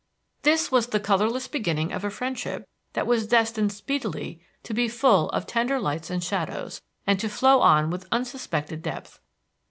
This was the colorless beginning of a friendship that was destined speedily to be full of tender lights and shadows, and to flow on with unsuspected depth.